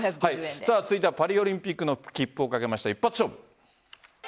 続いてはパリオリンピックの切符を懸けた一発勝負。